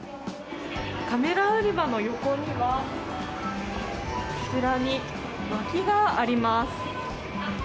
カメラ売り場の横には、こちらに、まきがあります。